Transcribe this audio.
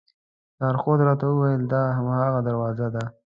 لارښود راته وویل دا هماغه دروازه ده.